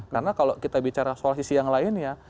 karena kalau kita bicara soal sisi yang lainnya